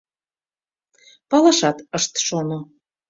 Палашат ышт шоно.